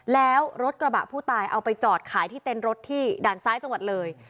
แล้วรถกระบะผู้ตายเอาไปจอดขายที่เต็นต์รถที่ด่านซ้ายจังหวัดเลย